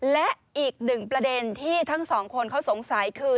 และอีกหนึ่งประเด็นที่ทั้งสองคนเขาสงสัยคือ